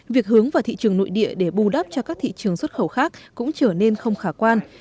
việc hướng vào thị trường nội địa để bù đắp cho các thị trường xuất khẩu khác cũng trở nên không khả quan